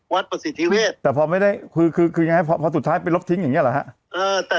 วัดประสิทธิเพศแต่พอไม่ได้คือยังไงพอตุดท้ายไปลบทิ้งอย่างนี้หรือครับ